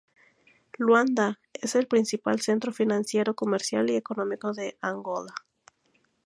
Luanda es el principal centro financiero, comercial y económico de Angola.